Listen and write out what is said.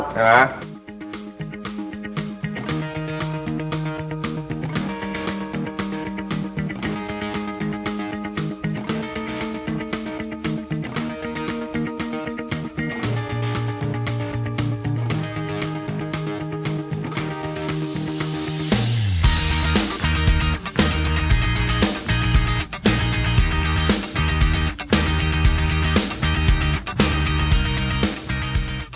ใช่มั้ย